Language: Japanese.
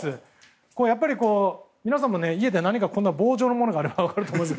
皆さんも家で何か棒状のものがあれば分かると思います。